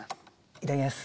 いただきます。